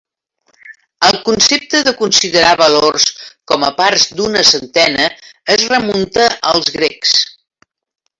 El concepte de considerar valors com a parts d'una centena es remunta als grecs.